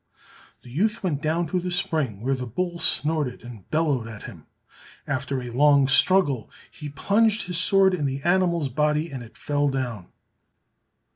The youth went down to the spring, where the bull snorted and bellowed at him. After a long struggle he plunged his sword in the animal's body, and it fell down.